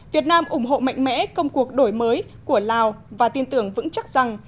việt nam ủng hộ mạnh mẽ công cuộc đổi mới của lào và tin tưởng vững chắc rằng